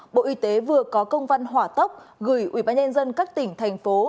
bộ y tế vừa có công văn hỏa tốc gửi ubnd các tỉnh thành phố